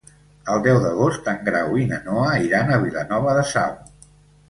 El deu d'agost en Grau i na Noa iran a Vilanova de Sau.